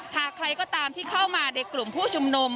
หากใครก็ตามที่เข้ามาในกลุ่มผู้ชุมนุม